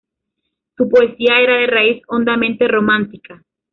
Su poesía era de raíz hondamente romántica.